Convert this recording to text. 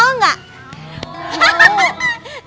kalau nenek aja yang ngajarin pada mau gak